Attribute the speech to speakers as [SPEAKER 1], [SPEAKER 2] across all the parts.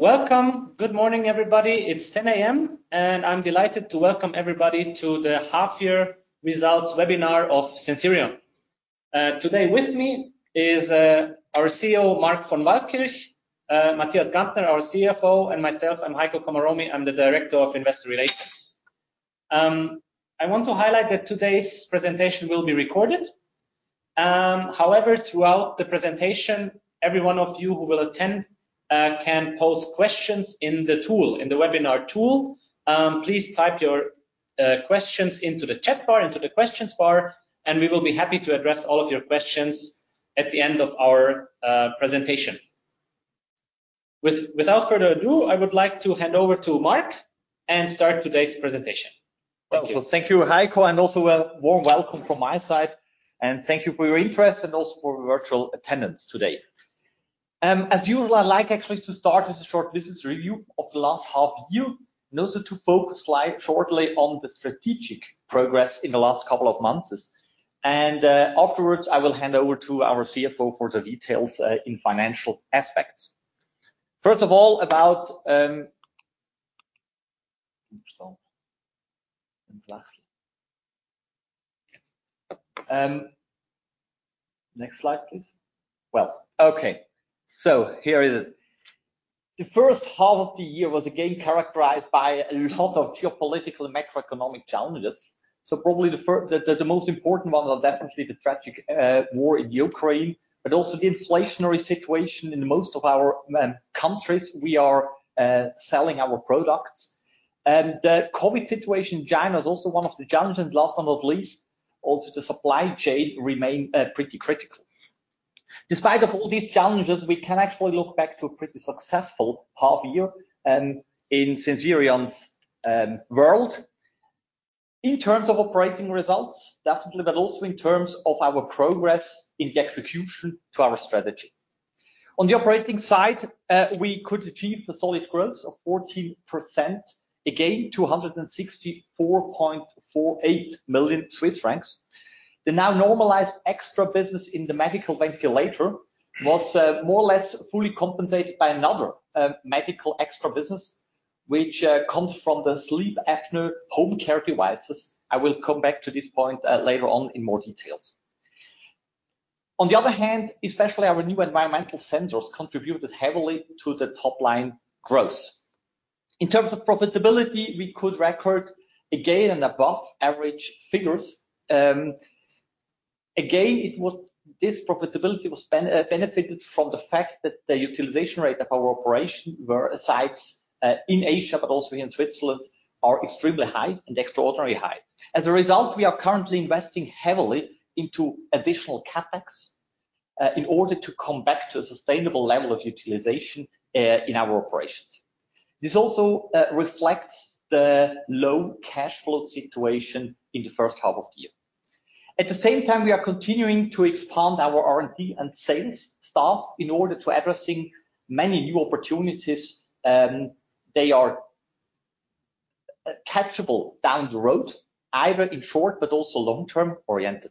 [SPEAKER 1] Welcome. Good morning, everybody. It's 10:00 A.M., and I'm delighted to welcome everybody to the half-year results webinar of Sensirion. Today with me is our CEO, Marc von Waldkirch, Matthias Gantner, our CFO, and myself. I'm Heiko Komaromi. I'm the Director of Investor Relations. I want to highlight that today's presentation will be recorded. However, throughout the presentation, every one of you who will attend can pose questions in the tool, in the webinar tool. Please type your questions into the chat bar, into the questions bar, and we will be happy to address all of your questions at the end of our presentation. Without further ado, I would like to hand over to Marc von Waldkirch and start today's presentation.
[SPEAKER 2] Well, thank you, Heiko, and also a warm welcome from my side, and thank you for your interest and also for your virtual attendance today. As usual, I like actually to start with a short business review of the last half year, and also to focus briefly on the strategic progress in the last couple of months. Afterwards, I will hand over to our CFO for the details in financial aspects. First of all, next slide, please. Well, okay. Here it is. The first half of the year was again characterized by a lot of geopolitical and macroeconomic challenges. Probably the most important one was definitely the tragic war in Ukraine, but also the inflationary situation in most of our countries we are selling our products. The COVID situation in China is also one of the challenges, and last but not least, also the supply chain remained pretty critical. Despite all these challenges, we can actually look back to a pretty successful half year in Sensirion's world. In terms of operating results, definitely, but also in terms of our progress in the execution to our strategy. On the operating side, we could achieve a solid growth of 14%, again, 264.48 million Swiss francs. The now normalized extra business in the medical ventilator was more or less fully compensated by another medical extra business, which comes from the sleep apnea home care devices. I will come back to this point later on in more details. On the other hand, especially our new environmental centers contributed heavily to the top-line growth. In terms of profitability, we could record again an above-average figures. This profitability was benefited from the fact that the utilization rate of our operating sites in Asia, but also in Switzerland, are extremely high and extraordinarily high. As a result, we are currently investing heavily into additional CapEx in order to come back to a sustainable level of utilization in our operations. This also reflects the low cash flow situation in the first half of the year. At the same time, we are continuing to expand our R&D and sales staff in order to address many new opportunities they are catchable down the road, either in short but also long-term oriented.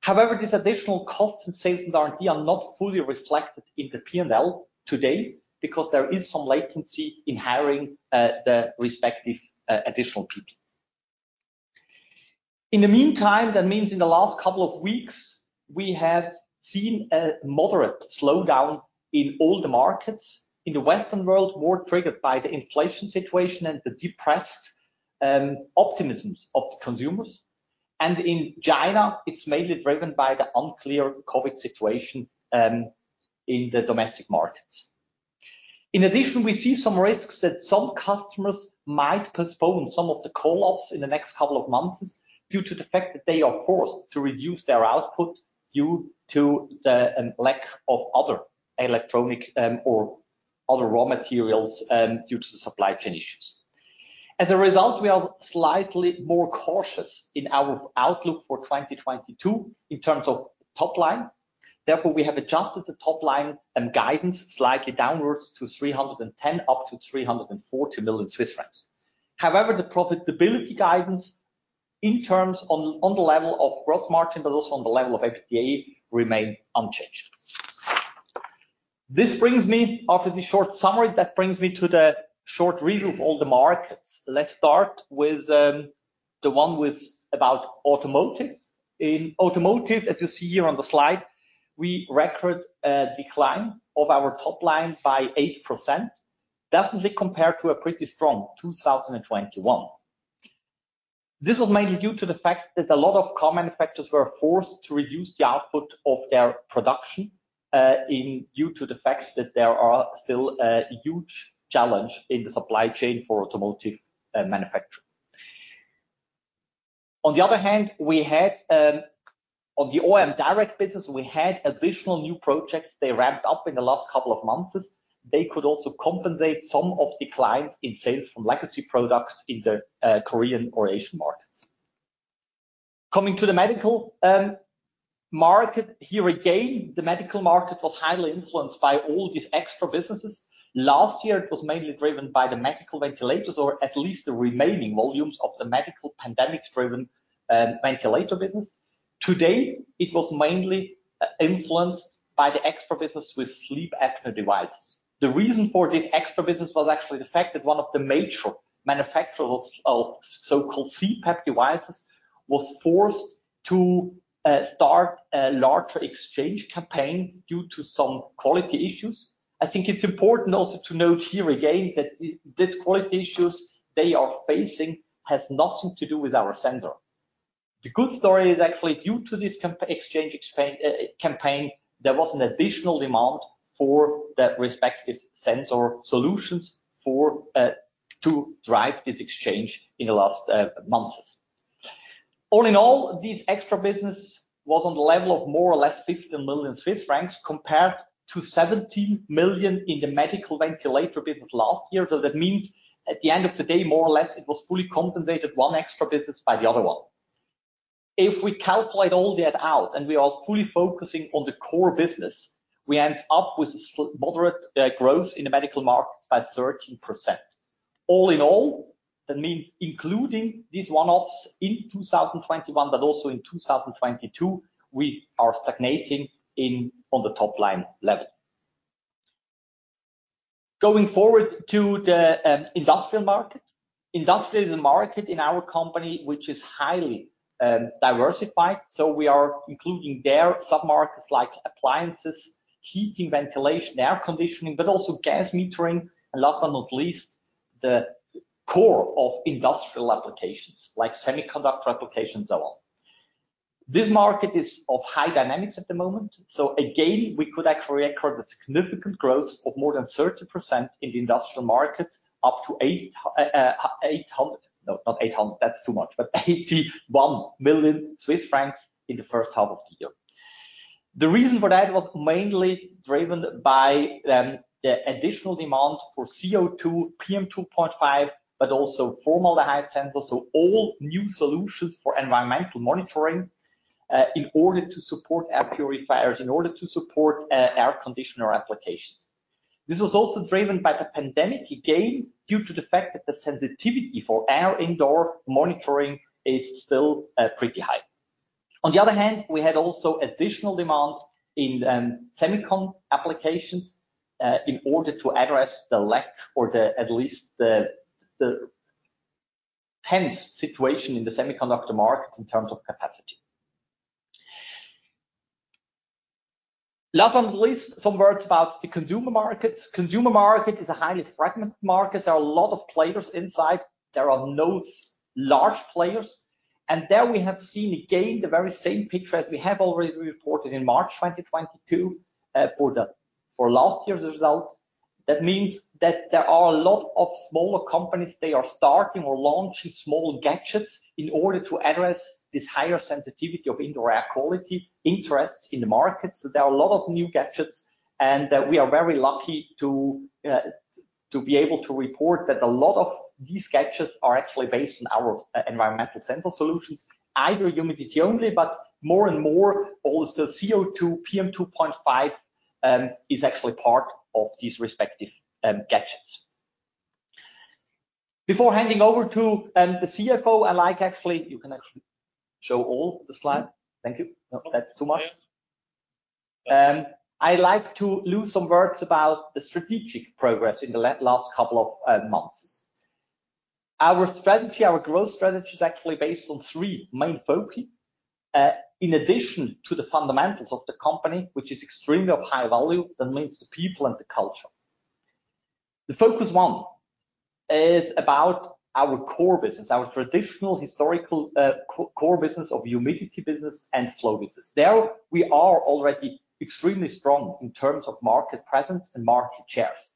[SPEAKER 2] However, these additional costs in sales and R&D are not fully reflected in the P&L today because there is some latency in hiring, the respective, additional people. In the meantime, that means in the last couple of weeks, we have seen a moderate slowdown in all the markets. In the Western world, more triggered by the inflation situation and the depressed, optimisms of the consumers. In China, it's mainly driven by the unclear COVID situation, in the domestic markets. In addition, we see some risks that some customers might postpone some of the call-offs in the next couple of months due to the fact that they are forced to reduce their output due to the, lack of other electronic, or other raw materials, due to the supply chain issues. As a result, we are slightly more cautious in our outlook for 2022 in terms of top line. Therefore, we have adjusted the top line and guidance slightly downwards to 310 million-340 million Swiss francs. However, the profitability guidance in terms on the level of gross margin, but also on the level of EBITDA, remain unchanged. This brings me, after this short summary, to the short review of all the markets. Let's start with the one with about automotive. In automotive, as you see here on the slide, we record a decline of our top line by 8%, definitely compared to a pretty strong 2021. This was mainly due to the fact that a lot of car manufacturers were forced to reduce the output of their production, due to the fact that there are still a huge challenge in the supply chain for automotive manufacturing. On the other hand, on the OEM direct business, we had additional new projects they ramped up in the last couple of months. They could also compensate some of the clients in sales from legacy products in the Korean or Asian markets. Coming to the medical market, here again, the medical market was highly influenced by all these extra businesses. Last year, it was mainly driven by the medical ventilators, or at least the remaining volumes of the medical pandemic-driven ventilator business. Today, it was mainly influenced by the extra business with sleep apnea devices. The reason for this extra business was actually the fact that one of the major manufacturers of so-called CPAP devices was forced to start a larger exchange campaign due to some quality issues. I think it's important also to note here again that these quality issues they are facing has nothing to do with our sensor. The good story is actually due to this exchange campaign, there was an additional demand for that respective sensor solutions to drive this exchange in the last months. All in all, this extra business was on the level of more or less 15 million Swiss francs compared to 17 million in the medical ventilator business last year. That means at the end of the day, more or less, it was fully compensated one extra business by the other one. If we calculate all that out and we are fully focusing on the core business, we end up with moderate growth in the medical markets by 13%. All in all, that means including these one-offs in 2021 but also in 2022, we are stagnating on the top line level. Going forward to the industrial market. Industrial is a market in our company which is highly diversified, so we are including there submarkets like appliances, heating, ventilation, air conditioning, but also gas metering, and last but not least, the core of industrial applications like semiconductor applications and so on. This market is of high dynamics at the moment. So again, we could actually record a significant growth of more than 30% in the industrial markets up to eight hundred. No, not eight hundred, that's too much. 81 million Swiss francs in the first half of the year. The reason for that was mainly driven by the additional demand for CO2, PM2.5, but also formaldehyde sensors. All new solutions for environmental monitoring in order to support air purifiers, in order to support air conditioner applications. This was also driven by the pandemic again, due to the fact that the sensitivity for air indoor monitoring is still pretty high. On the other hand, we had also additional demand in semicon applications in order to address the lack or at least the tense situation in the semiconductor markets in terms of capacity. Last but not least, some words about the consumer markets. Consumer market is a highly fragmented market. There are a lot of players inside. There are no large players. There we have seen again the very same picture as we have already reported in March 2022, for last year's result. That means that there are a lot of smaller companies, they are starting or launching small gadgets in order to address this higher sensitivity of indoor air quality interest in the markets. There are a lot of new gadgets, and we are very lucky to be able to report that a lot of these gadgets are actually based on our environmental sensor solutions, either humidity only, but more and more also CO2, PM2.5, is actually part of these respective gadgets. Before handing over to the CFO, I like actually. You can actually show all the slides. Thank you. No, that's too much. I like to say some words about the strategic progress in the last couple of months. Our strategy, our growth strategy is actually based on three main foci in addition to the fundamentals of the company, which is extremely of high value. That means the people and the culture. The focus one is about our core business, our traditional historical core business of humidity business and flow business. There we are already extremely strong in terms of market presence and market shares.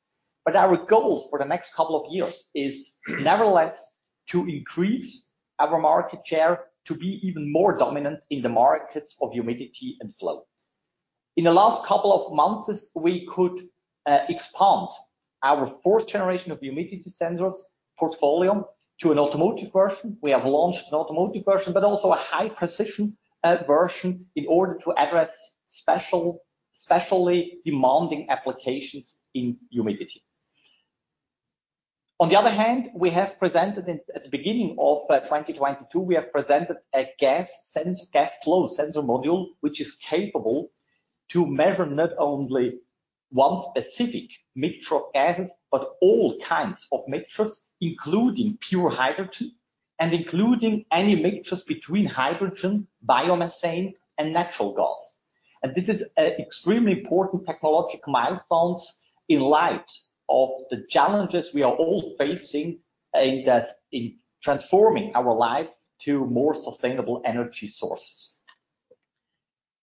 [SPEAKER 2] Our goals for the next couple of years is nevertheless to increase our market share to be even more dominant in the markets of humidity and flow. In the last couple of months, we could expand our fourth generation of humidity sensors portfolio to an automotive version. We have launched an automotive version, but also a high-precision version in order to address specially demanding applications in humidity. On the other hand, we have presented at the beginning of 2022 a gas sensor, gas flow sensor module, which is capable to measure not only one specific mixture of gases, but all kinds of mixtures, including pure hydrogen and including any mixtures between hydrogen, biomethane and natural gas. This is extremely important technological milestones in light of the challenges we are all facing in transforming our life to more sustainable energy sources.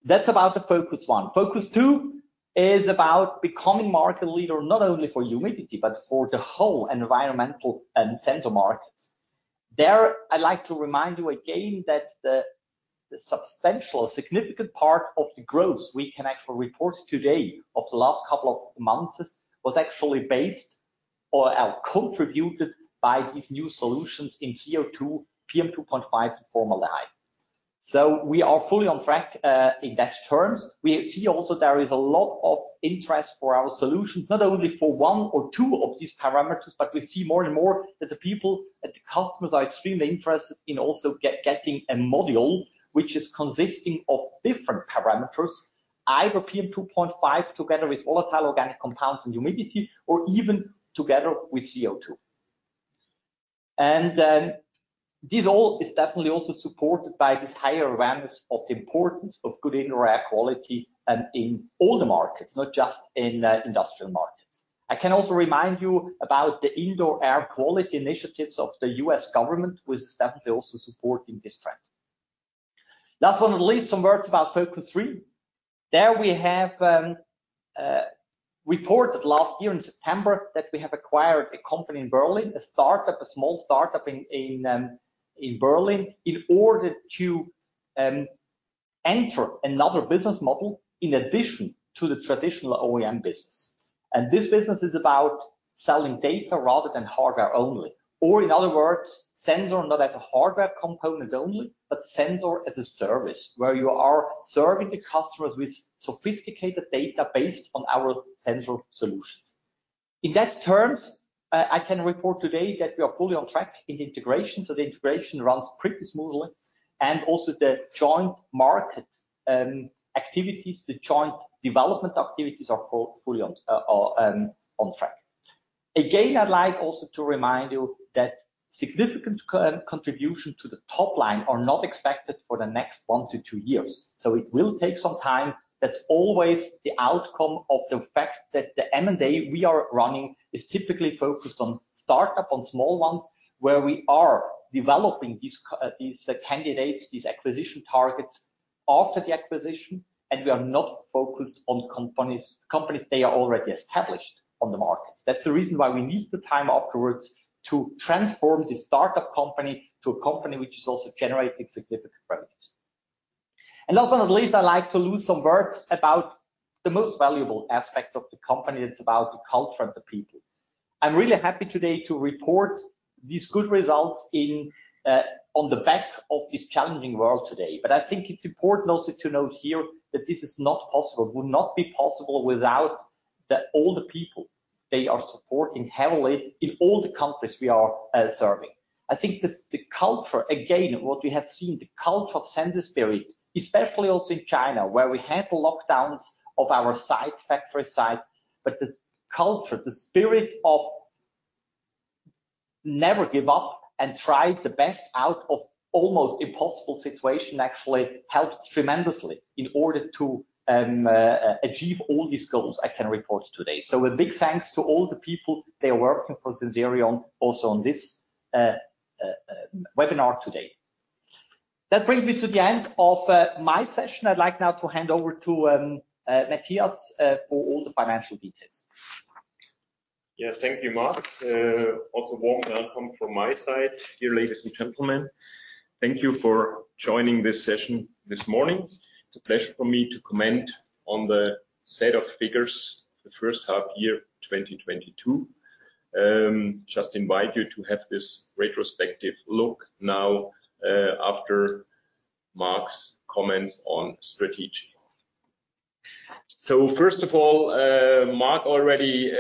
[SPEAKER 2] That's about the focus one. Focus two is about becoming market leader, not only for humidity, but for the whole environmental sensor markets. I like to remind you again that the substantial significant part of the growth we can actually report today of the last couple of months was actually based or contributed by these new solutions in CO2, PM2.5, and formaldehyde. We are fully on track in that terms. We see also there is a lot of interest for our solutions, not only for one or two of these parameters, but we see more and more that the customers are extremely interested in also getting a module which is consisting of different parameters either PM2.5 together with volatile organic compounds and humidity or even together with CO2. This all is definitely also supported by this higher awareness of the importance of good indoor air quality and in all the markets, not just in industrial markets. I can also remind you about the indoor air quality initiatives of the U.S. government, which is definitely also supporting this trend. Last but not least, some words about focus three. There we have reported last year in September that we have acquired a company in Berlin, a startup, a small startup in Berlin, in order to enter another business model in addition to the traditional OEM business. This business is about selling data rather than hardware only, or in other words, sensor not as a hardware component only, but sensor as a service, where you are serving the customers with sophisticated data based on our sensor solutions. In that terms, I can report today that we are fully on track in integration. The integration runs pretty smoothly and also the joint market activities, the joint development activities are fully on track. Again, I'd like also to remind you that significant contribution to the top line are not expected for the next one-two years. It will take some time. That's always the outcome of the fact that the M&A we are running is typically focused on startup, on small ones, where we are developing these candidates, these acquisition targets after the acquisition, and we are not focused on companies that are already established on the markets. That's the reason why we need the time afterwards to transform this startup company to a company which is also generating significant revenues. Last but not least, I'd like to lose some words about the most valuable aspect of the company. It's about the culture of the people. I'm really happy today to report these good results in on the back of this challenging world today. I think it's important also to note here that this is not possible, would not be possible without all the people that are supporting heavily in all the countries we are serving. I think the culture, again, what we have seen, the culture of Sensirion, especially also in China, where we had the lockdowns of our site, factory site, but the culture, the spirit of never give up and try the best out of almost impossible situation actually helped tremendously in order to achieve all these goals I can report today. A big thanks to all the people that are working for Sensirion also on this webinar today. That brings me to the end of my session. I'd like now to hand over to Matthias for all the financial details.
[SPEAKER 3] Yeah. Thank you, Marc. Also warm welcome from my side, dear ladies and gentlemen. Thank you for joining this session this morning. It's a pleasure for me to comment on the set of figures for the first half year 2022. Just invite you to have this retrospective look now, after Marc's comments on strategy. First of all, Marc already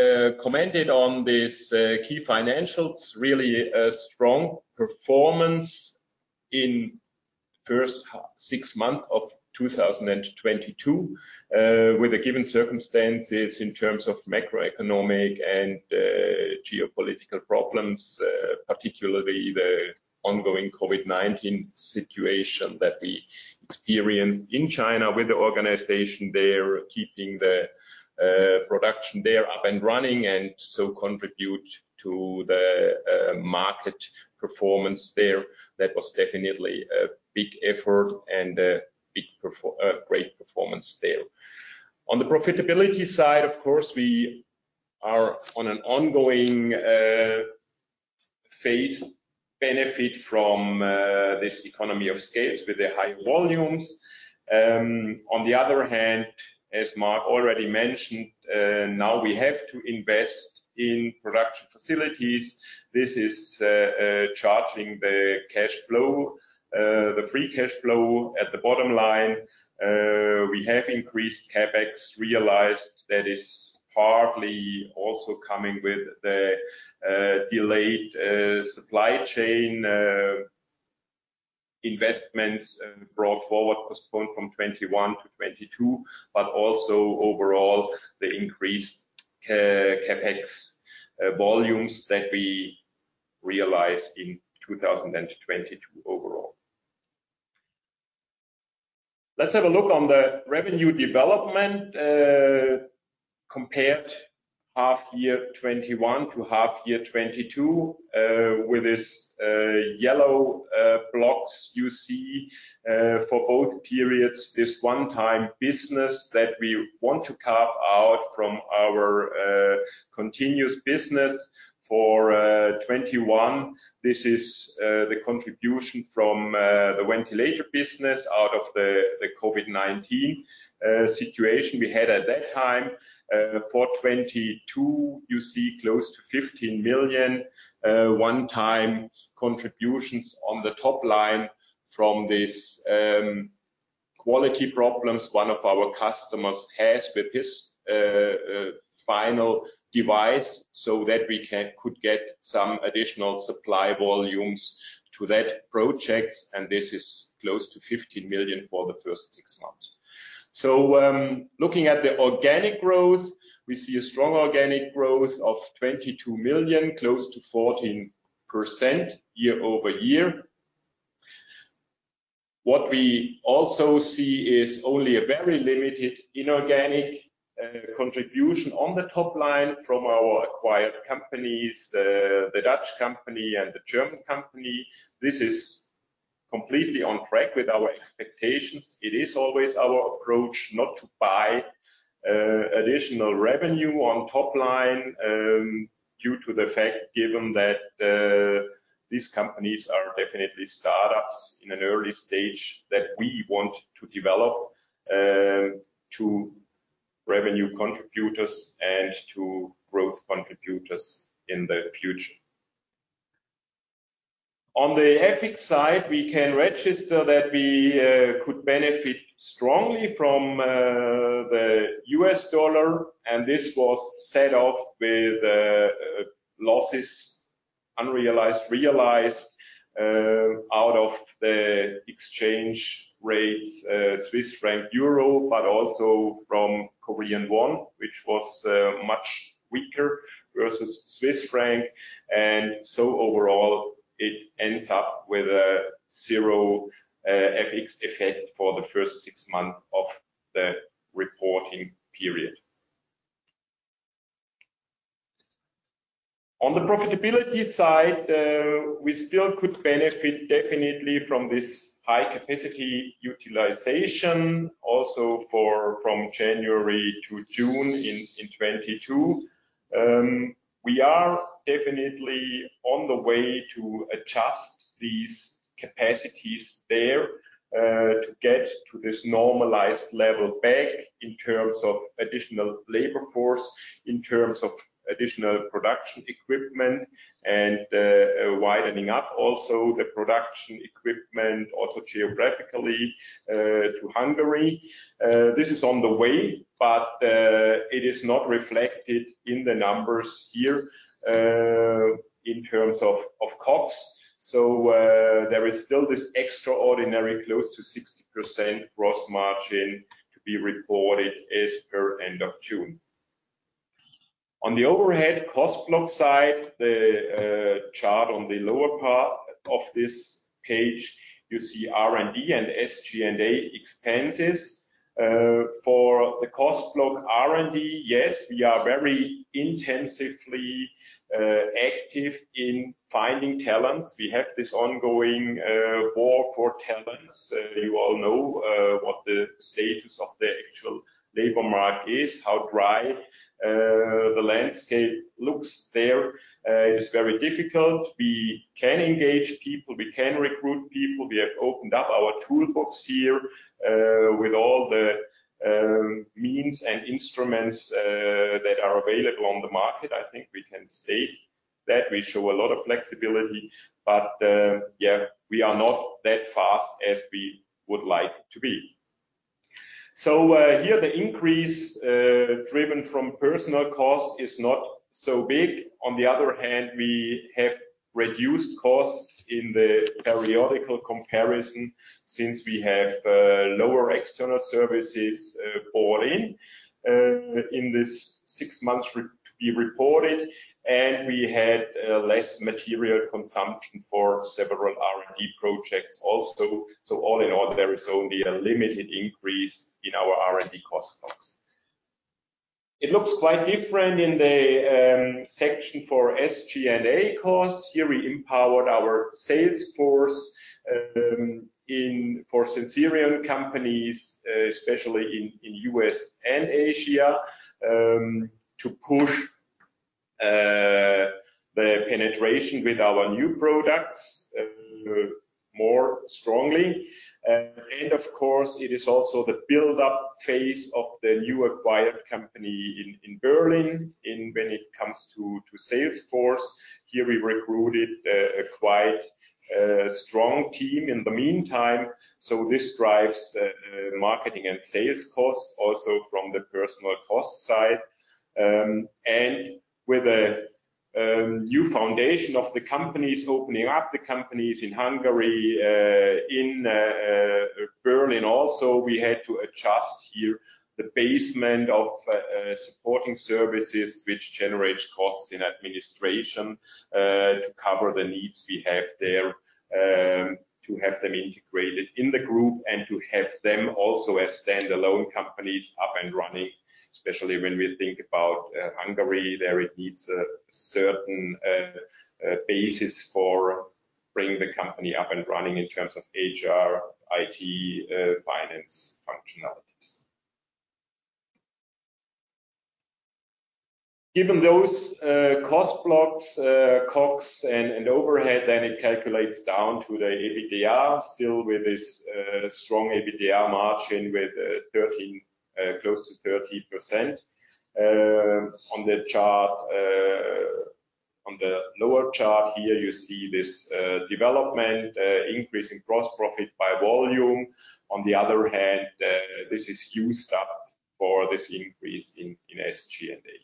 [SPEAKER 3] commented on this key financials, really a strong performance in first half six months of 2022, with the given circumstances in terms of macroeconomic and geopolitical problems, particularly the ongoing COVID-19 situation that we experienced in China with the organization there, keeping the production there up and running and so contribute to the market performance there. That was definitely a big effort and a great performance there. On the profitability side, of course, we are benefiting from an ongoing phase of economies of scale with the high volumes. On the other hand, as Marc already mentioned, now we have to invest in production facilities. This is impacting the cash flow, the free cash flow at the bottom line. We have increased CapEx. That is partly also coming with the delayed supply chain investments brought forward, postponed from 2021 to 2022, but also overall the increased CapEx volumes that we realized in 2022 overall. Let's have a look at the revenue development compared half year 2021 to half year 2022. With this yellow blocks you see for both periods, this one-time business that we want to carve out from our continuous business. For 2021, this is the contribution from the ventilator business out of the COVID-19 situation we had at that time. For 2022, you see close to 15 million one-time contributions on the top line from this quality problems one of our customers has with his final device so that we could get some additional supply volumes to that project, and this is close to 15 million for the first six months. Looking at the organic growth, we see a strong organic growth of 22 million, close to 14% year-over-year. What we also see is only a very limited inorganic contribution on the top line from our acquired companies, the Dutch company and the German company. This is completely on track with our expectations. It is always our approach not to buy additional revenue on top line due to the fact given that these companies are definitely startups in an early stage that we want to develop to revenue contributors and to growth contributors in the future. On the FX side, we can register that we could benefit strongly from the U.S. dollar, and this was set off with losses, unrealized, realized out of the exchange rates Swiss franc euro, but also from Korean won, which was much weaker versus Swiss franc. Overall, it ends up with a zero FX effect for the first six months of the reporting period. On the profitability side, we still could benefit definitely from this high capacity utilization also from January to June in 2022. We are definitely on the way to adjust these capacities there to get to this normalized level back in terms of additional labor force, in terms of additional production equipment and widening up also the production equipment also geographically to Hungary. This is on the way, but it is not reflected in the numbers here in terms of costs. There is still this extraordinary close to 60% gross margin to be reported as per end of June. On the overhead cost block side, the chart on the lower part of this page, you see R&D and SG&A expenses. For the cost block R&D, yes, we are very intensively active in finding talents. We have this ongoing war for talents. You all know what the status of the actual labor market is, how dry the landscape looks there. It is very difficult. We can engage people. We can recruit people. We have opened up our toolbox here with all the means and instruments that are available on the market. I think we can state that we show a lot of flexibility, but yeah, we are not that fast as we would like to be. Here the increase driven from personnel cost is not so big. On the other hand, we have reduced costs in the period-over-period comparison since we have lower external services bought in in this six months to be reported, and we had less material consumption for several R&D projects also. All in all, there is only a limited increase in our R&D cost blocks. It looks quite different in the section for SG&A costs. Here we empowered our sales force in for Sensirion companies, especially in U.S. and Asia, to push the penetration with our new products more strongly. And of course, it is also the build-up phase of the new acquired company in Berlin when it comes to sales force. Here we recruited a quite strong team in the meantime. This drives marketing and sales costs also from the personnel cost side. With a new foundation of the companies opening up, the companies in Hungary, in Berlin also, we had to adjust here the baseline of supporting services which generate costs in administration to cover the needs we have there, to have them integrated in the group and to have them also as standalone companies up and running, especially when we think about Hungary. There it needs a certain basis for bringing the company up and running in terms of HR, IT, finance functionalities. Given those cost blocks, costs and overhead, then it calculates down to the EBITDA still with this strong EBITDA margin with 13, close to 13%, on the chart. On the lower chart here, you see this development, increase in gross profit by volume. On the other hand, this is used up for this increase in SG&A.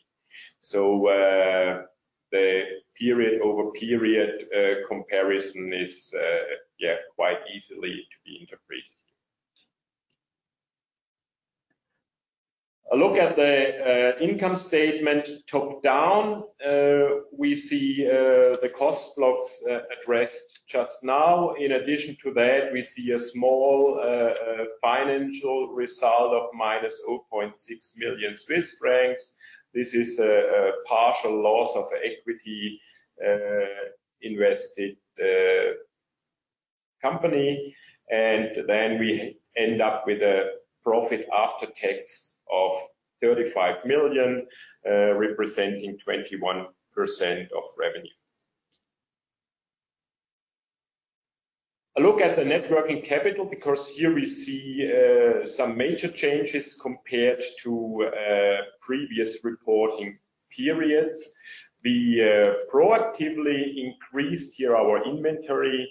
[SPEAKER 3] The period-over-period comparison is quite easily to be interpreted. A look at the income statement top-down, we see the cost blocks addressed just now. In addition to that, we see a small financial result of 0.6 million Swiss francs. This is a partial loss of equity invested company. Then we end up with a profit after tax of 35 million, representing 21% of revenue. A look at the net working capital, because here we see some major changes compared to previous reporting periods. We proactively increased here our inventory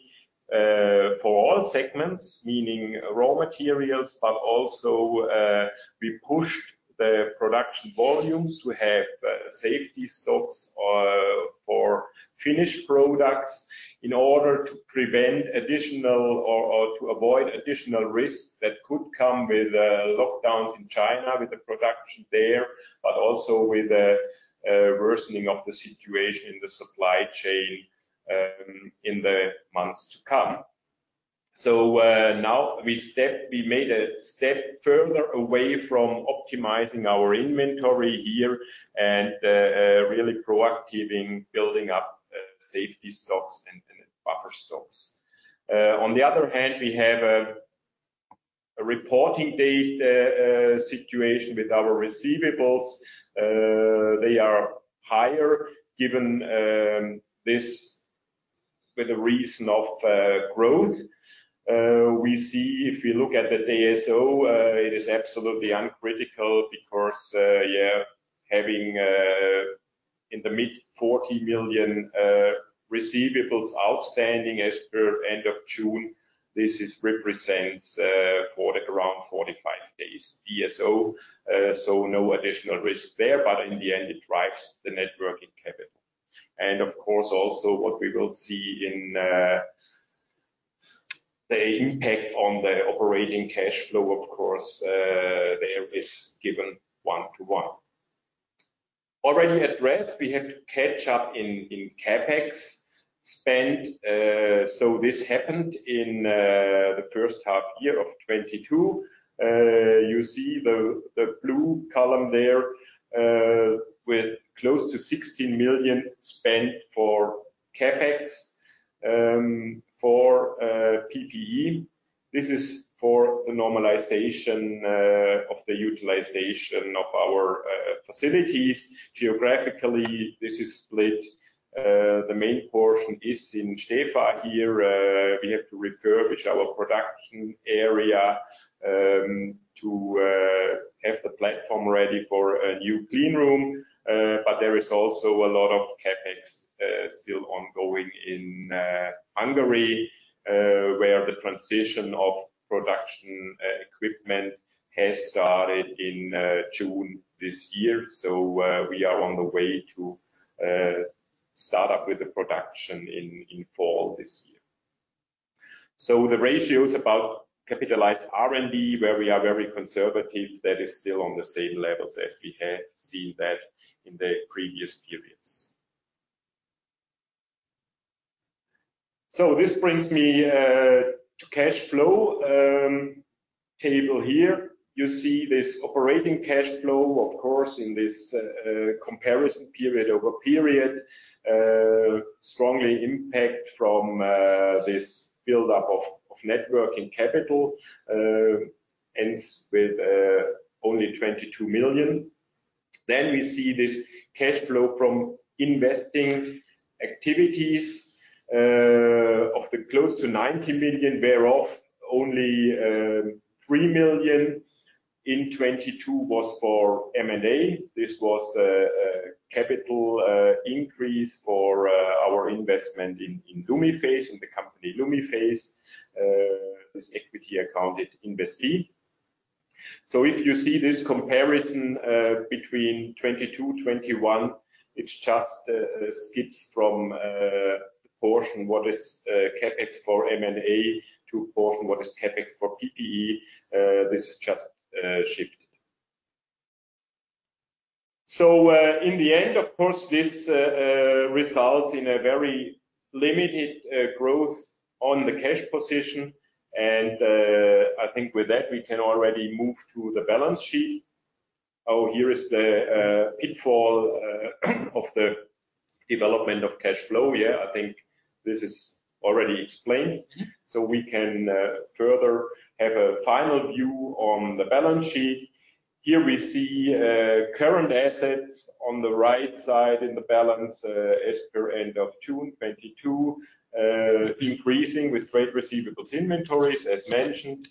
[SPEAKER 3] for all segments, meaning raw materials, but also, we pushed the production volumes to have safety stocks for finished products in order to avoid additional risk that could come with lockdowns in China with the production there, but also with the worsening of the situation in the supply chain in the months to come. Now we made a step further away from optimizing our inventory here and really proactive in building up safety stocks and buffer stocks. On the other hand, we have a reporting date situation with our receivables. They are higher given this with a reason of growth. We see if we look at the DSO, it is absolutely uncritical because having in the mid-40 million receivables outstanding as per end of June, this represents for the around 45 days DSO. No additional risk there, but in the end, it drives the net working capital. Of course, also what we will see in the impact on the operating cash flow, of course, there is given one-to-one. Already addressed, we had to catch up in CapEx spend. This happened in the first half year of 2022. You see the blue column there with close to 16 million spent for CapEx for PPE. This is for the normalization of the utilization of our facilities. Geographically, this is split. The main portion is in Stäfa here. We have to refurbish our production area to have the platform ready for a new clean room. There is also a lot of CapEx still ongoing in Hungary, where the transition of production equipment has started in June this year. We are on the way to start up with the production in fall this year. The ratios about capitalized R&D, where we are very conservative, that is still on the same levels as we have seen that in the previous periods. This brings me to cash flow table here. You see this operating cash flow, of course, in this comparison period-over-period, strongly impact from this buildup of net working capital, ends with only 22 million. We see this cash flow from investing activities of close to 90 million, whereof only 3 million in 2022 was for M&A. This was a capital increase for our investment in Lumiphase, in the company Lumiphase, this equity accounted investee. If you see this comparison between 2022, 2021, it just skips from the portion what is CapEx for M&A to portion what is CapEx for PPE. This is just shifted. In the end, of course, this results in a very limited growth on the cash position. I think with that, we can already move to the balance sheet. Oh, here is the pitfall of the development of cash flow. Yeah, I think this is already explained. We can further have a final view on the balance sheet. Here we see current assets on the right side in the balance as per end of June 2022 increasing with trade receivables inventories, as mentioned.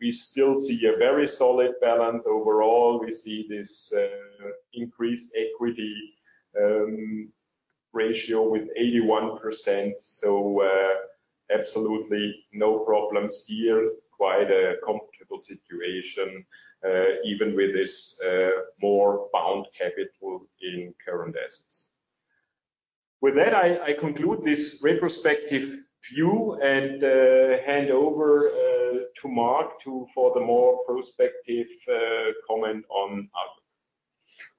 [SPEAKER 3] We still see a very solid balance overall. We see this increased equity ratio with 81%, so absolutely no problems here. Quite a comfortable situation even with this more bound capital in current assets. With that, I conclude this retrospective view and hand over to Marc for the more prospective comment on outlook.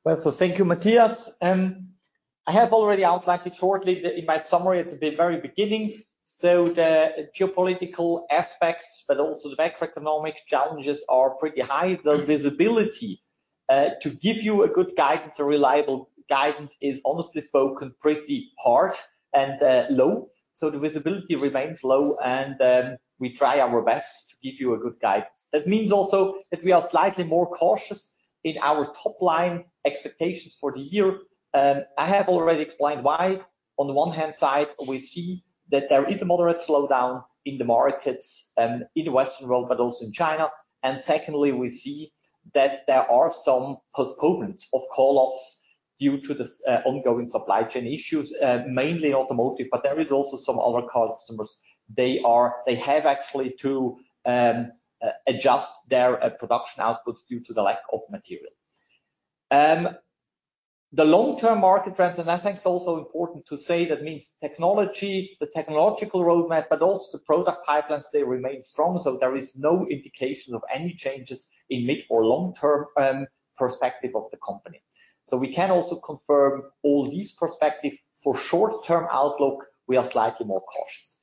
[SPEAKER 2] Well, thank you, Matthias. I have already outlined it shortly in my summary at the very beginning. The geopolitical aspects, but also the macroeconomic challenges are pretty high. The visibility to give you a good guidance, a reliable guidance, is honestly spoken pretty hard and low. The visibility remains low, and we try our best to give you a good guidance. That means also that we are slightly more cautious in our top-line expectations for the year. I have already explained why. On the one hand side, we see that there is a moderate slowdown in the markets, in the Western world, but also in China. Secondly, we see that there are some postponements of call-offs due to the ongoing supply chain issues, mainly automotive, but there is also some other customers. They have actually to adjust their production outputs due to the lack of material. The long-term market trends, and I think it's also important to say that means technology, the technological roadmap, but also the product pipelines, they remain strong, so there is no indication of any changes in mid or long-term perspective of the company. We can also confirm all these perspective. For short-term outlook, we are slightly more cautious.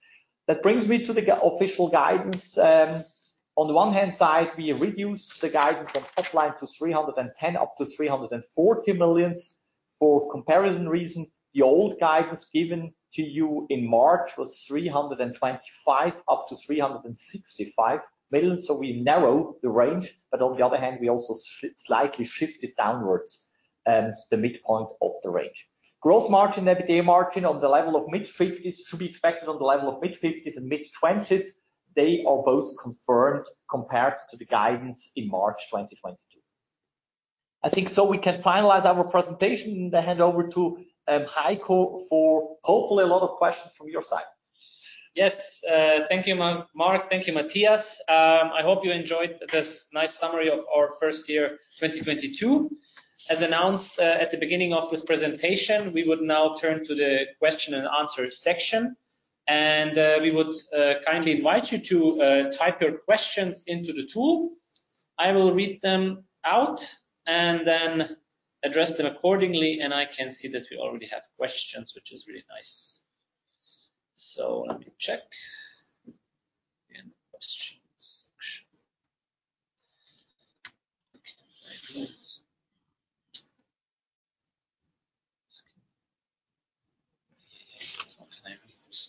[SPEAKER 2] That brings me to the official guidance. On the one hand side, we reduced the guidance on top line to 310 million-340 million. For comparison reason, the old guidance given to you in March was 325 million-365 million. We narrow the range, but on the other hand, we also slightly shift it downwards, the midpoint of the range. Gross margin, EBITDA margin on the level of mid-50s% should be expected on the level of mid-50s% and mid-20s%. They are both confirmed compared to the guidance in March 2022. I think we can finalize our presentation and hand over to Heiko for hopefully a lot of questions from your side.
[SPEAKER 1] Yes. Thank you, Marc. Thank you, Matthias. I hope you enjoyed this nice summary of our first year, 2022. As announced, at the beginning of this presentation, we would now turn to the question and answer section, and we would kindly invite you to type your questions into the tool. I will read them out and then address them accordingly. I can see that we already have questions, which is really nice. Let me check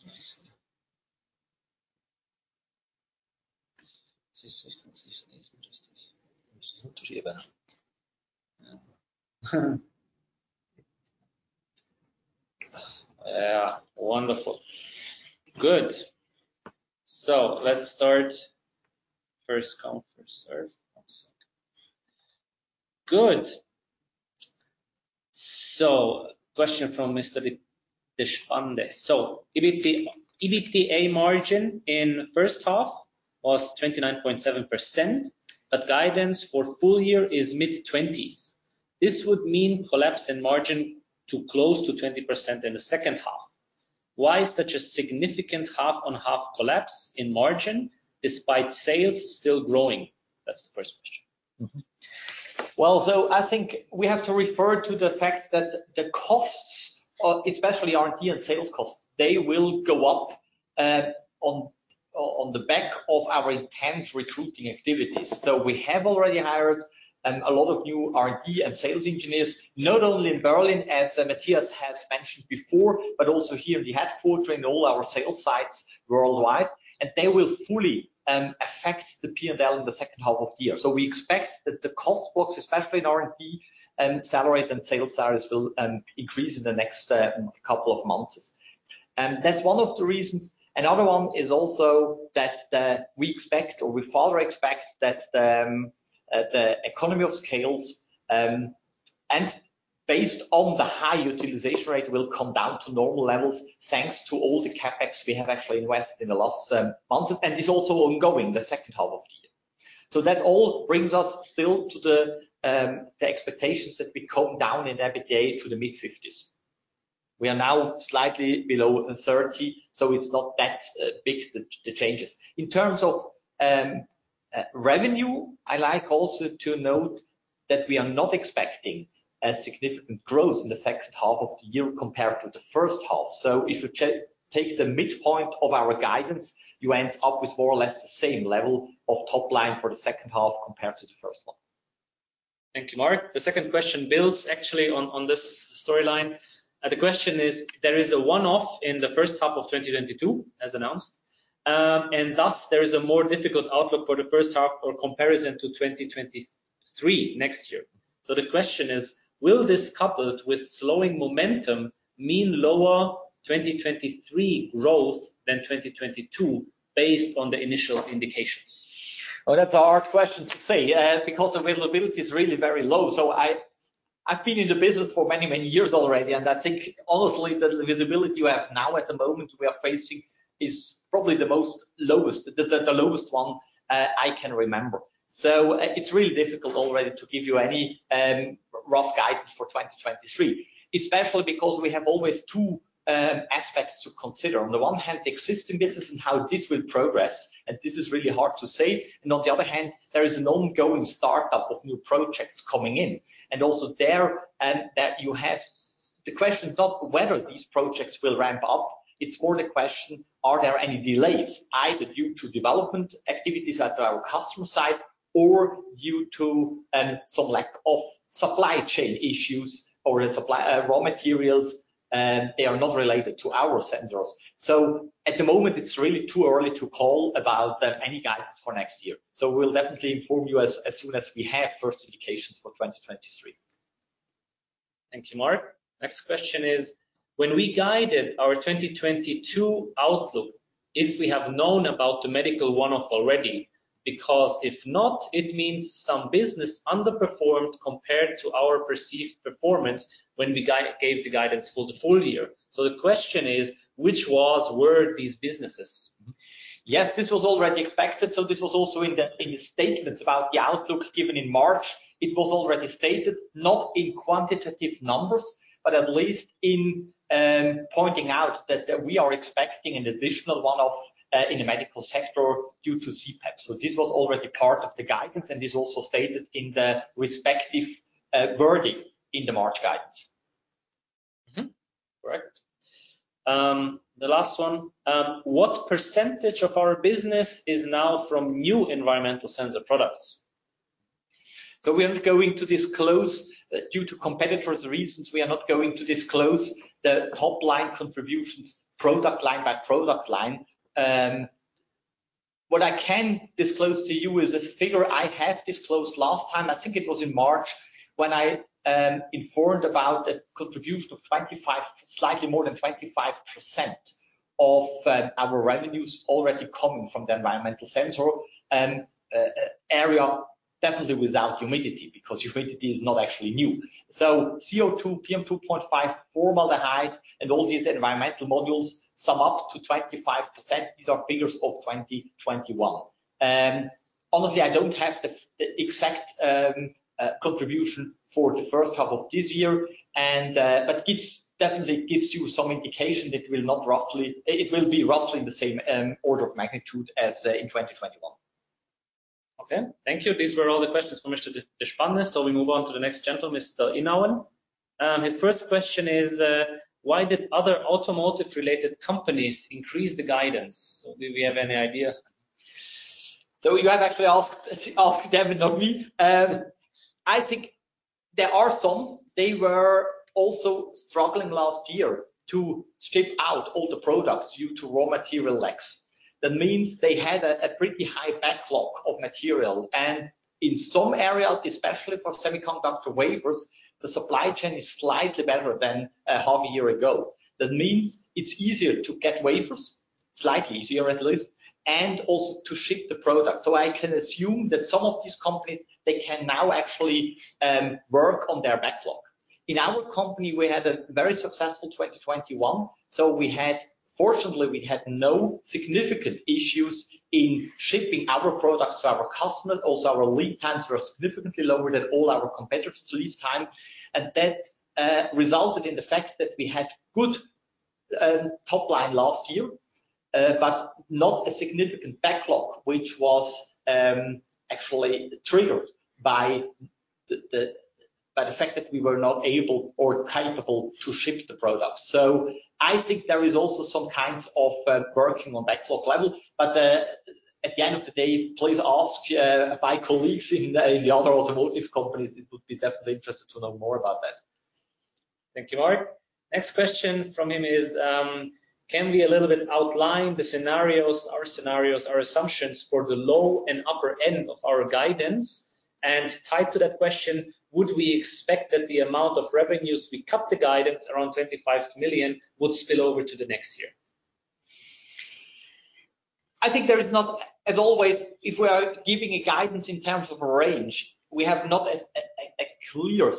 [SPEAKER 1] in question section. Yeah. Wonderful. Good. Let's start. First come, first serve. One second. Good. Question from Mr. Deshpande. EBITDA margin in first half was 29.7%, but guidance for full year is mid-20s. This would mean collapse in margin to close to 20% in the second half. Why such a significant half-on-half collapse in margin despite sales still growing? That's the first question.
[SPEAKER 2] Well, I think we have to refer to the fact that the costs, especially R&D and sales costs, they will go up, on the back of our intense recruiting activities. We have already hired a lot of new R&D and sales engineers, not only in Berlin, as Matthias has mentioned before, but also here in the headquarters, in all our sales sites worldwide. They will fully affect the P&L in the second half of the year. We expect that the cost box, especially in R&D, salaries and sales salaries will increase in the next couple of months. That's one of the reasons. Another one is also that we expect or we further expect that the economies of scale and based on the high utilization rate will come down to normal levels, thanks to all the CapEx we have actually invested in the last months. It's also ongoing, the second half of the year. That all brings us still to the expectations that we come down in EBITDA to the mid-50s%. We are now slightly below 30%, so it's not that big, the changes. In terms of revenue, I like also to note that we are not expecting a significant growth in the second half of the year compared to the first half. If you take the midpoint of our guidance, you end up with more or less the same level of top line for the second half compared to the first one.
[SPEAKER 1] Thank you, Marc. The second question builds actually on this storyline. The question is, there is a one-off in the first half of 2022, as announced, and thus there is a more difficult outlook for the first half-year-over-year comparison to 2023 next year. The question is, will this, coupled with slowing momentum, mean lower 2023 growth than 2022 based on the initial indications?
[SPEAKER 2] Oh, that's a hard question to say, because availability is really very low. I've been in the business for many years already, and I think honestly that the visibility we have now at the moment we are facing is probably the lowest one I can remember. It's really difficult already to give you any rough guidance for 2023, especially because we have always two aspects to consider. On the one hand, the existing business and how this will progress, and this is really hard to say. On the other hand, there is an ongoing startup of new projects coming in. The question not whether these projects will ramp up, it's more the question, are there any delays either due to development activities at our customer side or due to some lack of supply chain issues or supply raw materials, they are not related to our sensors. At the moment, it's really too early to call about any guidance for next year. We'll definitely inform you as soon as we have first indications for 2023.
[SPEAKER 1] Thank you, Marc. Next question is, when we guided our 2022 outlook, if we have known about the medical one-off already, because if not, it means some business underperformed compared to our perceived performance when we gave the guidance for the full year. The question is, which were these businesses?
[SPEAKER 2] Yes, this was already expected. This was also in the statements about the outlook given in March. It was already stated not in quantitative numbers, but at least in pointing out that we are expecting an additional one-off in the medical sector due to CPAP. This was already part of the guidance, and this is also stated in the respective wording in the March guidance.
[SPEAKER 1] Correct. The last one, what percentage of our business is now from new environmental sensor products?
[SPEAKER 2] We are not going to disclose. Due to competitors' reasons, we are not going to disclose the top-line contributions product line by product line. What I can disclose to you is a figure I have disclosed last time, I think it was in March, when I informed about a contribution of 25, slightly more than 25% of our revenues already coming from the environmental sensor area, definitely without humidity, because humidity is not actually new. CO2, PM2.5, formaldehyde, and all these environmental modules sum up to 25%. These are figures of 2021. Honestly, I don't have the exact contribution for the first half of this year, but definitely gives you some indication that it will be roughly the same order of magnitude as in 2021.
[SPEAKER 1] Okay. Thank you. These were all the questions for Mr. Deshpande. We move on to the next gentleman, Mr. Inauen. His first question is, why did other automotive-related companies increase the guidance? Do we have any idea?
[SPEAKER 2] You have actually asked them, not me. I think there are some. They were also struggling last year to ship out all the products due to raw material lacks. That means they had a pretty high backlog of material. In some areas, especially for semiconductor wafers, the supply chain is slightly better than half a year ago. That means it's easier to get wafers, slightly easier at least, and also to ship the product. I can assume that some of these companies, they can now actually work on their backlog. In our company, we had a very successful 2021, so fortunately, we had no significant issues in shipping our products to our customers. Also, our lead times were significantly lower than all our competitors' lead time. That resulted in the fact that we had good top line last year, but not a significant backlog, which was actually triggered by the fact that we were not able or capable to ship the products. I think there is also some kinds of working on backlog level. At the end of the day, please ask my colleagues in the other automotive companies. It would be definitely interesting to know more about that.
[SPEAKER 1] Thank you, Marc. Next question from him is, can we a little bit outline the scenarios or assumptions for the low and upper end of our guidance? Tied to that question, would we expect that the amount of revenues we cut the guidance around 25 million would spill over to the next year?
[SPEAKER 2] I think there is not. As always, if we are giving a guidance in terms of a range, we have not a clear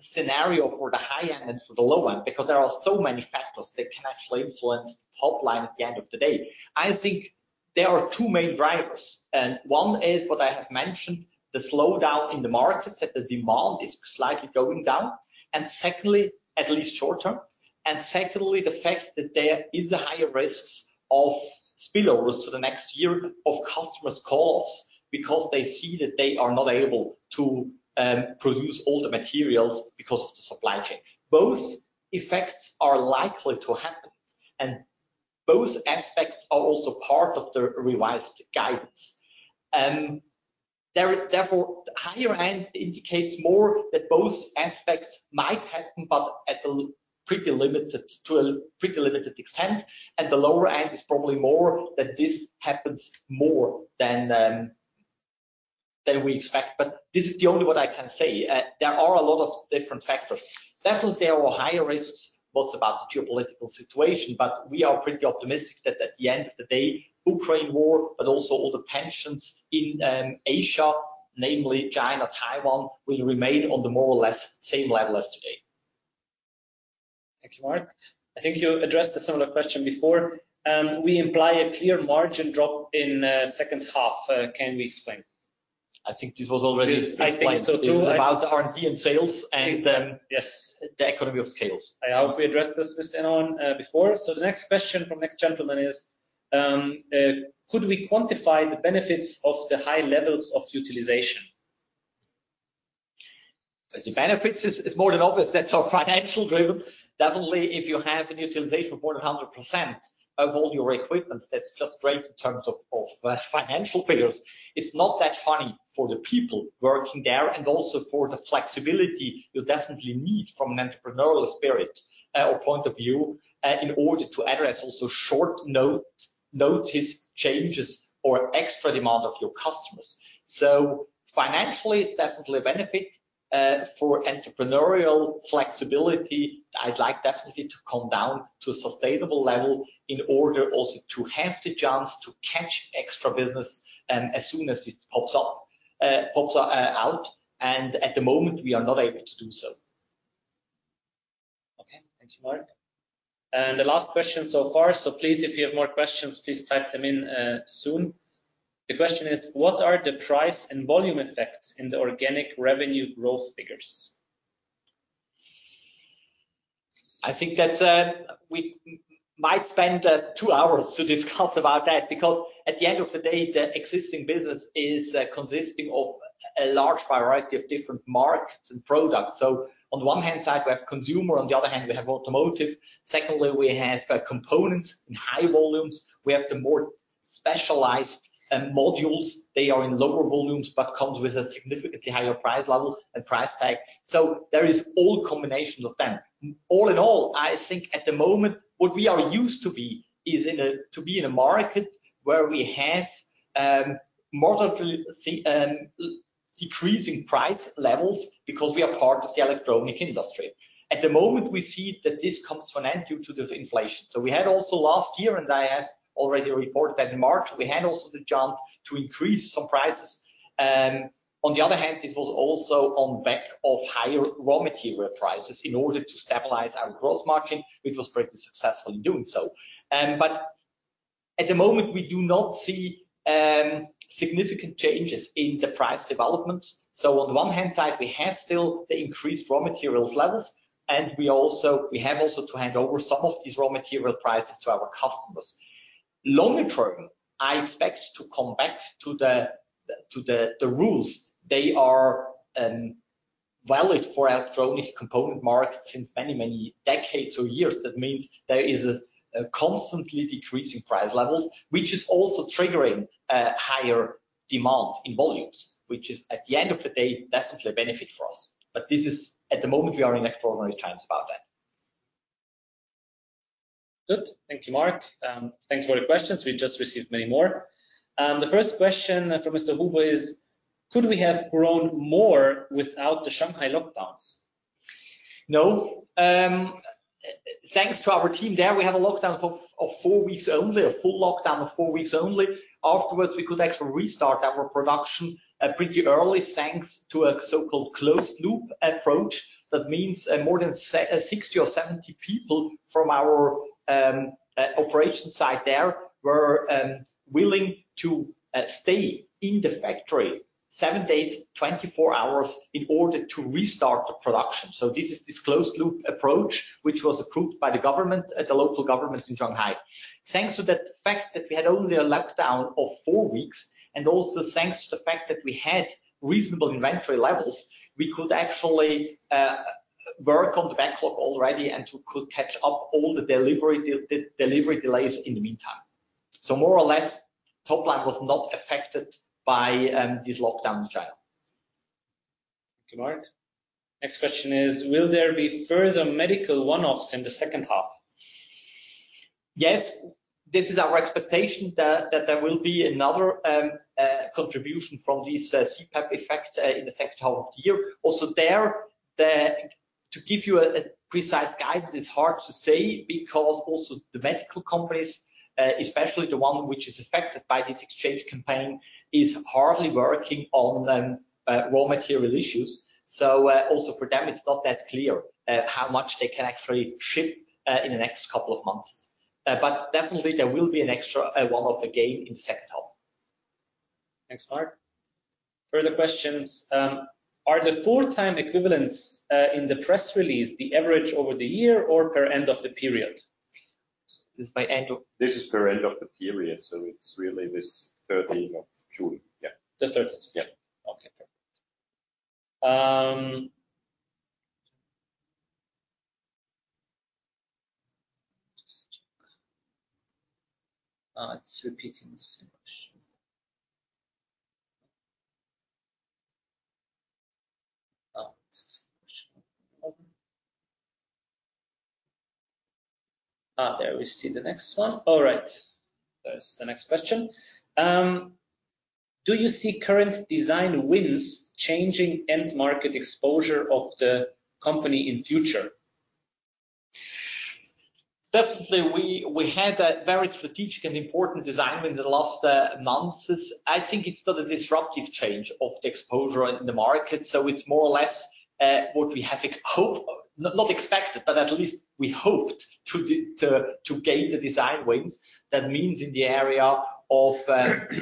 [SPEAKER 2] scenario for the high end and for the low end, because there are so many factors that can actually influence the top line at the end of the day. I think there are two main drivers, and one is what I have mentioned, the slowdown in the markets, that the demand is slightly going down. Secondly, the fact that there is a higher risks of spillovers to the next year of customers calls because they see that they are not able to produce all the materials because of the supply chain. Both effects are likely to happen, and both aspects are also part of the revised guidance. Therefore, the higher end indicates more that both aspects might happen, but at a pretty limited extent, and the lower end is probably more that this happens more than that we expect, but this is the only what I can say. There are a lot of different factors. Definitely, there are higher risks. What about the geopolitical situation? But we are pretty optimistic that at the end of the day, Ukraine war, but also all the tensions in Asia, namely China, Taiwan, will remain on the more or less same level as today.
[SPEAKER 1] Thank you, Marc. I think you addressed a similar question before. We imply a clear margin drop in second half. Can we explain?
[SPEAKER 2] I think this was already.
[SPEAKER 1] I think so too, right?
[SPEAKER 2] Explained about the R&D and sales and.
[SPEAKER 1] Yes...
[SPEAKER 2] the economy of scales.
[SPEAKER 1] I hope we addressed this before. The next question from the next gentleman is, could we quantify the benefits of the high levels of utilization?
[SPEAKER 2] The benefits is more than obvious. That's all financial driven. Definitely, if you have an utilization of more than 100% of all your equipment, that's just great in terms of financial figures. It's not that funny for the people working there and also for the flexibility you definitely need from an entrepreneurial spirit or point of view in order to address also short notice changes or extra demand of your customers. Financially, it's definitely a benefit. For entrepreneurial flexibility, I'd like definitely to come down to a sustainable level in order also to have the chance to catch extra business as soon as it pops up. At the moment, we are not able to do so.
[SPEAKER 1] Okay. Thank you, Marc. The last question so far, so please, if you have more questions, please type them in, soon. The question is, what are the price and volume effects in the organic revenue growth figures?
[SPEAKER 2] I think we might spend two hours to discuss about that because at the end of the day, the existing business is consisting of a large variety of different markets and products. On the one hand side, we have consumer, on the other hand, we have automotive. Secondly, we have components in high volumes. We have the more specialized modules. They are in lower volumes, but comes with a significantly higher price level and price tag. There is all combinations of them. All in all, I think at the moment, what we are used to be is to be in a market where we have moderately decreasing price levels because we are part of the electronic industry. At the moment, we see that this comes to an end due to inflation. We had also last year, and I have already reported that in March, we had also the chance to increase some prices. On the other hand, this was also on the back of higher raw material prices in order to stabilize our gross margin, which was pretty successful in doing so. At the moment, we do not see significant changes in the price development. On the one hand, we have still the increased raw materials levels, and we have also to hand over some of these raw material prices to our customers. Longer term, I expect to come back to the rules. They are valid for our electronic component market since many decades or years. That means there is a constantly decreasing price levels, which is also triggering higher demand in volumes, which is, at the end of the day, definitely a benefit for us. This is at the moment, we are in extraordinary times about that.
[SPEAKER 1] Good. Thank you, Marc. Thank you for your questions. We just received many more. The first question from Mr. Huber is, Could we have grown more without the Shanghai lockdowns?
[SPEAKER 2] No. Thanks to our team there, we had a lockdown for four weeks only, a full lockdown of four weeks only. Afterwards, we could actually restart our production pretty early, thanks to a so-called closed-loop approach. That means more than 60 or 70 people from our operation site there were willing to stay in the factory seven days, 24 hours in order to restart the production. This closed-loop approach, which was approved by the government, the local government in Shanghai. Thanks to the fact that we had only a lockdown of four weeks, and also thanks to the fact that we had reasonable inventory levels, we could actually work on the backlog already and could catch up all the delivery delays in the meantime. More or less, top line was not affected by this lockdown in China.
[SPEAKER 1] Thank you, Marc. Next question is, will there be further medical one-offs in the second half?
[SPEAKER 2] Yes. This is our expectation that there will be another contribution from this CPAP effect in the second half of the year. Also there, to give you a precise guidance is hard to say because also the medical companies, especially the one which is affected by this exchange campaign, is hardly working on raw material issues. Also for them, it's not that clear how much they can actually ship in the next couple of months. Definitely, there will be an extra one-off again in second half.
[SPEAKER 1] Thanks, Marc. Further questions. Are the full-time equivalents in the press release the average over the year or per end of the period?
[SPEAKER 2] This is by end of-
[SPEAKER 3] This is per end of the period, so it's really this 13th of July. Yeah.
[SPEAKER 1] The 13th.
[SPEAKER 3] Yeah.
[SPEAKER 1] Okay. Perfect. Just check. It's repeating the same question. We see the next one. All right. There's the next question. Do you see current design wins changing end market exposure of the company in future?
[SPEAKER 2] Definitely, we had a very strategic and important design win in the last months. I think it's not a disruptive change of the exposure in the market, so it's more or less what we have not expected, but at least we hoped to gain the design wins. That means in the area of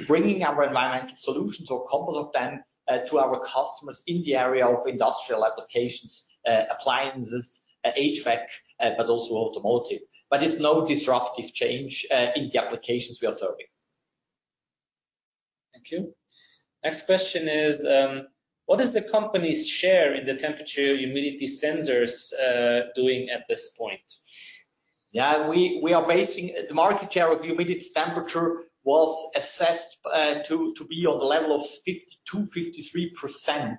[SPEAKER 2] bringing our environmental solutions or a couple of them to our customers in the area of industrial applications, appliances, HVAC, but also automotive. It's no disruptive change in the applications we are serving.
[SPEAKER 1] Thank you. Next question is, what is the company's share in the temperature humidity sensors doing at this point?
[SPEAKER 2] Yeah. The market share of humidity temperature was assessed to be on the level of 52%-53%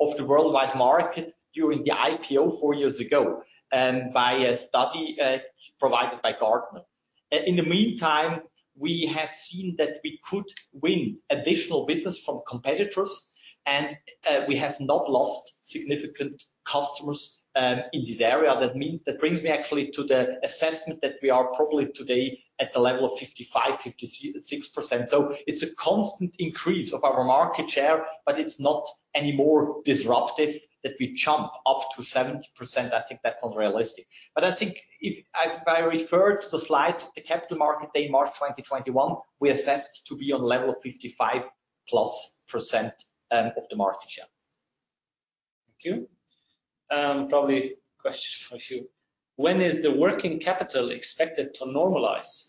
[SPEAKER 2] of the worldwide market during the IPO four years ago by a study provided by Gartner. In the meantime, we have seen that we could win additional business from competitors, and we have not lost significant customers in this area. That means that brings me actually to the assessment that we are probably today at the level of 55%-56%. It's a constant increase of our market share, but it's not any more disruptive that we jump up to 70%. I think that's not realistic. I think if I refer to the slides of the Capital Markets Day, March 2021, we assessed to be on level of 55%+ of the market share.
[SPEAKER 1] Thank you. Probably question for you. When is the working capital expected to normalize?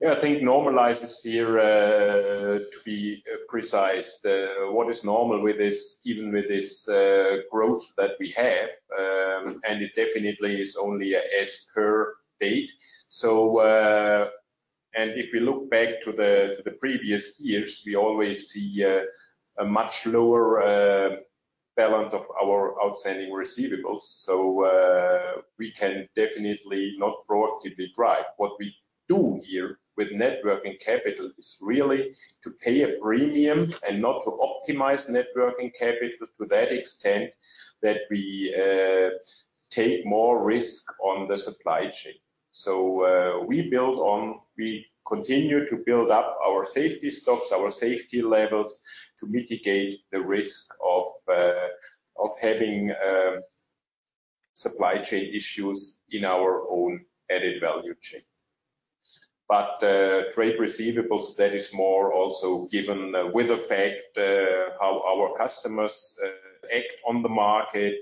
[SPEAKER 3] Yeah. I think normal is here, to be precise, what is normal with this even with this growth that we have, and it definitely is only as per date. If we look back to the previous years, we always see a much lower balance of our outstanding receivables. We can definitely not proactively drive. What we do here with net working capital is really to pay a premium and not to optimize net working capital to that extent that we take more risk on the supply chain. We continue to build up our safety stocks, our safety levels to mitigate the risk of having supply chain issues in our own added value chain. Trade receivables, that is more also given with the fact how our customers act on the market.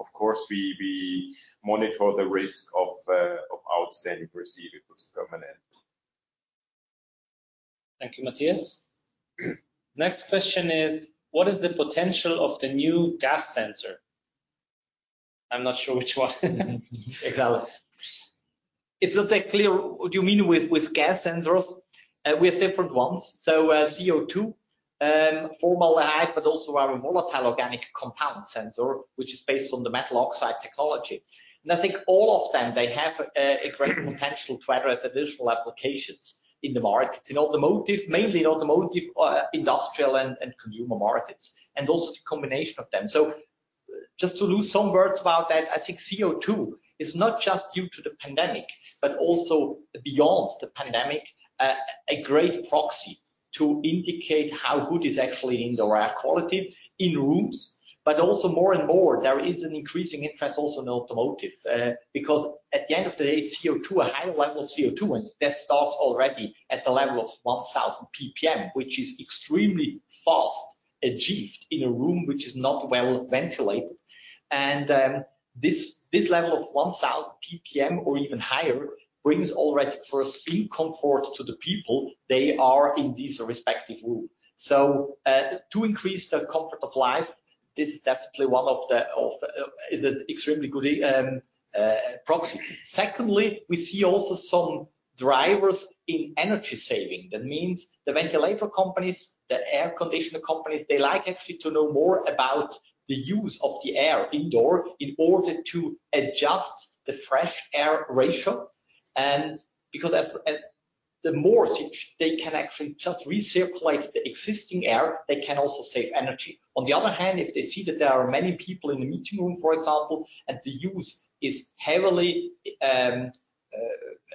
[SPEAKER 3] Of course, we monitor the risk of outstanding receivables permanently.
[SPEAKER 1] Thank you, Matthias. Next question is, what is the potential of the new gas sensor? I'm not sure which one.
[SPEAKER 2] Exactly. It's not that clear. What do you mean with gas sensors? We have different ones. CO₂, formaldehyde, but also our volatile organic compound sensor, which is based on the metal oxide technology. I think all of them, they have great potential to address additional applications in the markets, in automotive, mainly automotive, industrial and consumer markets, and also the combination of them. Just to say a few words about that, I think CO₂ is not just due to the pandemic, but also beyond the pandemic, great proxy to indicate how good is actually indoor air quality in rooms. also more and more, there is an increasing interest also in automotive because at the end of the day, CO₂, a high level of CO₂, and that starts already at the level of 1,000 PPM, which is extremely fast achieved in a room which is not well-ventilated. this level of 1,000 PPM or even higher brings already first discomfort to the people they are in this respective room. to increase the comfort of life, this is definitely one of the is an extremely good proxy. Secondly, we see also some drivers in energy saving. That means the ventilator companies, the air conditioner companies, they like actually to know more about the use of the air indoor in order to adjust the fresh air ratio. Because at the mature stage, they can actually just recirculate the existing air, they can also save energy. On the other hand, if they see that there are many people in the meeting room, for example, and the room is heavily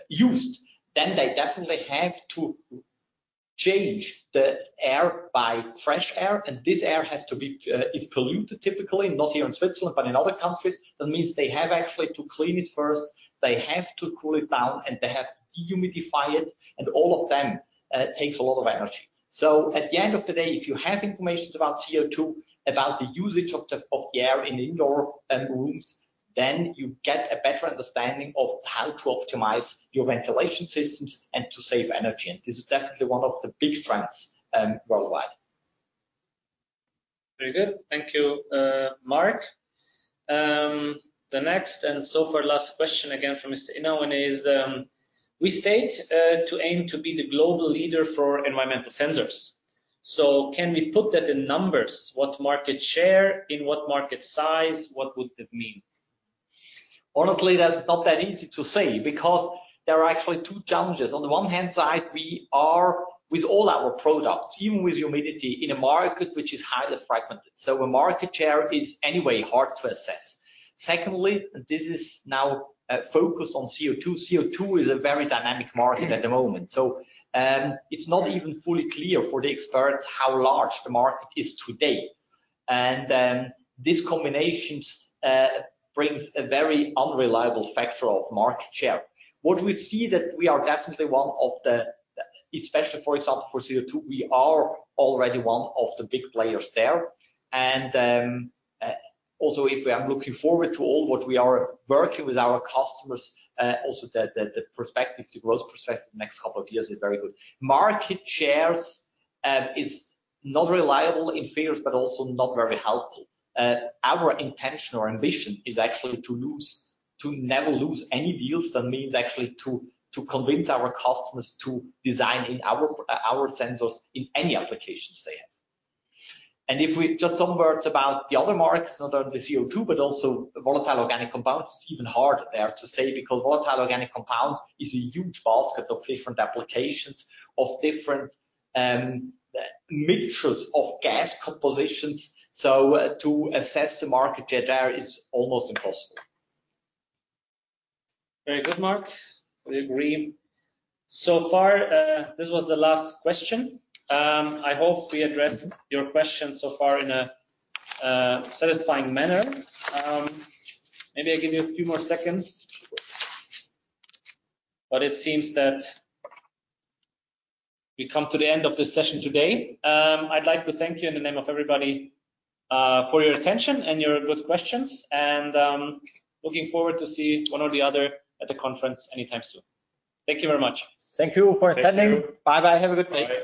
[SPEAKER 2] used, then they definitely have to change the air with fresh air, and this air is polluted typically, not here in Switzerland, but in other countries. That means they have actually to clean it first, they have to cool it down, and they have to dehumidify it, and all of them takes a lot of energy. At the end of the day, if you have information about CO2, about the usage of the air in indoor rooms, then you get a better understanding of how to optimize your ventilation systems and to save energy. This is definitely one of the big trends, worldwide.
[SPEAKER 1] Very good. Thank you, Marc. The next and so far last question again from Mr. Inauen is, we state to aim to be the global leader for environmental sensors. Can we put that in numbers? What market share, in what market size? What would that mean?
[SPEAKER 2] Honestly, that's not that easy to say because there are actually two challenges. On the one hand side, we are, with all our products, even with humidity, in a market which is highly fragmented, so where market share is anyway hard to assess. Secondly, this is now focused on CO₂. CO₂ is a very dynamic market at the moment, so it's not even fully clear for the experts how large the market is today. This combination brings a very unreliable factor of market share. What we see that we are definitely one of the big players there. Especially, for example, for CO₂, we are already one of the big players there. Also if I'm looking forward to all what we are working with our customers, also the perspective, the growth perspective the next couple of years is very good. Market shares is not reliable in figures, but also not very helpful. Our intention or ambition is actually to never lose any deals. That means actually to convince our customers to design in our sensors in any applications they have. If we just say some words about the other markets, not only the CO₂, but also volatile organic compounds, it's even harder there to say, because volatile organic compound is a huge basket of different applications, of different mixtures of gas compositions. To assess the market share there is almost impossible.
[SPEAKER 1] Very good, Marc. We agree. So far, this was the last question. I hope we addressed your question so far in a satisfying manner. Maybe I give you a few more seconds. It seems that we come to the end of this session today. I'd like to thank you in the name of everybody for your attention and your good questions and looking forward to see one or the other at the conference anytime soon. Thank you very much.
[SPEAKER 2] Thank you for attending.
[SPEAKER 1] Thank you.
[SPEAKER 2] Bye bye. Have a good day.